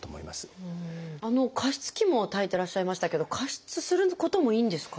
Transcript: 加湿器もたいてらっしゃいましたけど加湿することもいいんですか？